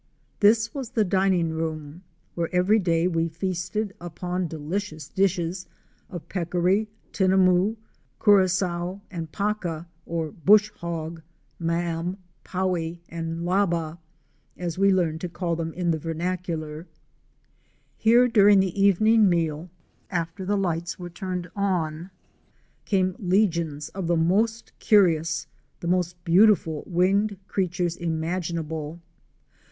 This was the dining room, where every day we feasted upon delicious dishes of peccary, tina mou, curassow and paca, or " bush hog," "maam,"' " powie" and "'labba,"' as we learned to call them in the vernacular. Here during the evening meal, after the lights were turned on, came legions of the most curious, the most beautiful winged creatures imaginable.